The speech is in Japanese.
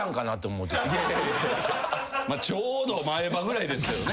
ちょうど前歯ぐらいですけどね。